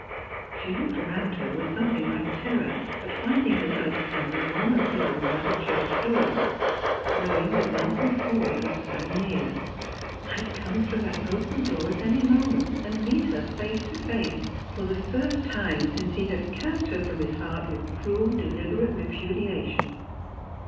she looked round her with something like terror at finding herself standing almost alone by the church door, knowing that Malcolm Forde was so near; might come through that open door at any moment, and meet her face to face, for tlie first time since he had cast her from his heart with cruel deUberate re* pudiation.